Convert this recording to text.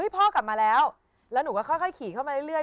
พ่อกลับมาแล้วแล้วหนูก็ค่อยขี่เข้ามาเรื่อย